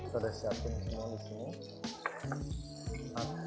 kita sudah siapkan semua di sini